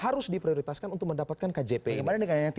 harus diprioritaskan untuk mendapatkan kjp ini